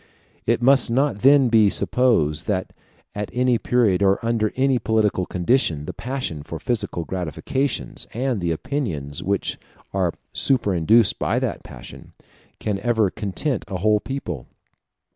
It must not then be supposed that at any period or under any political condition, the passion for physical gratifications, and the opinions which are superinduced by that passion, can ever content a whole people.